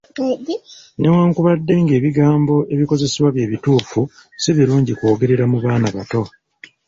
Newankubadde ng’ebigambo ebikozesebwa bye bituufu si birungi kwogerera mu baana bato.